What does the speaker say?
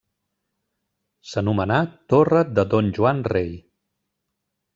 S'anomenà Torre de Don Joan Rei.